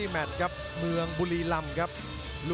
ขอให้ฟังก่อน